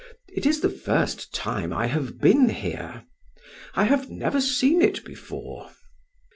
It is the first time I have been here. I have never seen it before."